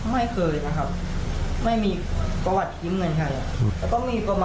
ไม่เคยนะครับไม่มีประวัติยืมเงินใคร